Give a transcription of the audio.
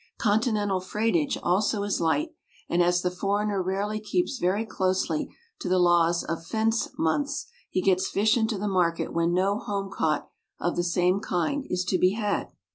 Continental freightage also is light, and as the foreigner rarely keeps very closely to the laws of "fence months," he gets fish into the market when no home caught of the same kind is to be had.